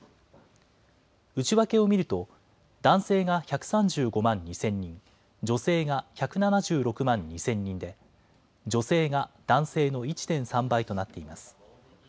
内訳を見ると、男性が１３５万２０００人、女性が１７６万２０００人で、女性が男性の１．３倍となっています。